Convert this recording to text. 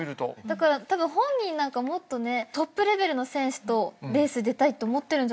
だからたぶん本人なんかもっとトップレベルの選手とレース出たいって思ってるんじゃないかなと思って。